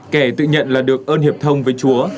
kẻ tự nhận là được ơn hiệp thông với chúa